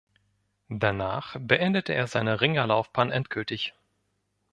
Danach beendete er seine Ringerlaufbahn endgültig.